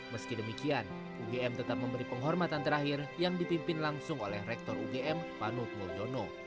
meski demikian ugm tetap memberi penghormatan terakhir yang dipimpin langsung oleh rektor ugm panut mulyono